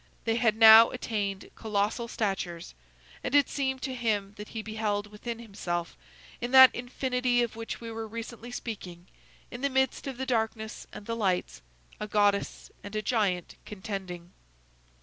They had now attained colossal statures, and it seemed to him that he beheld within himself, in that infinity of which we were recently speaking, in the midst of the darkness and the lights, a goddess and a giant contending.